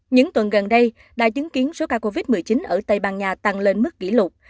những tuần gần đây đã chứng kiến số ca covid một mươi chín ở tây ban nha tăng lên mức kỷ lục